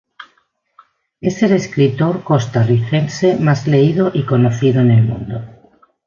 Es el escritor costarricense más leído y conocido en el mundo.